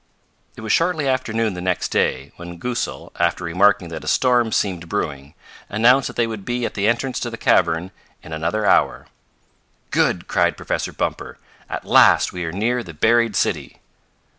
It was shortly after noon the next day, when Goosal, after remarking that a storm seemed brewing, announced that they would be at the entrance to the cavern in another hour. "Good!" cried Professor Bumper. "At last we are near the buried city."